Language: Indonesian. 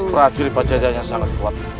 prajurit pajajar yang sangat kuat